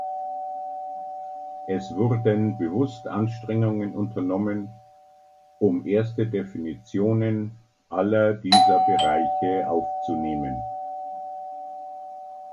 Es wurden bewusst Anstrengungen unternommen, um erste Definitionen aller dieser Bereiche aufzunehmen.